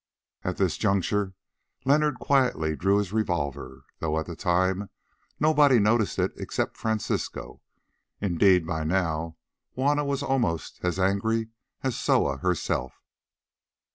At this juncture Leonard quietly drew his revolver, though at the time nobody noticed it except Francisco. Indeed by now Juanna was almost as angry as Soa herself.